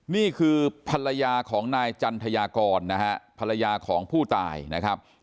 นี่คือภรรยาของนายจันทยากรนะฮะภรรยาของผู้ตายนะครับ